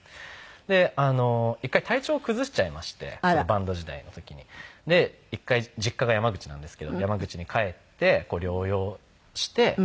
で一回体調を崩しちゃいましてバンド時代の時に。で一回実家が山口なんですけど山口に帰って療養して。